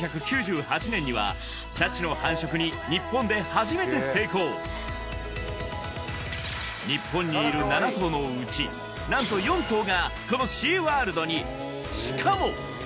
１９９８年にはシャチの繁殖に日本で初めて成功日本にいる７頭のうち何と４頭がこのシーワールドにしかも！